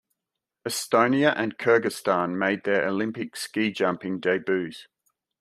Estonia and Kyrgyzstan made their Olympic ski jumping debuts.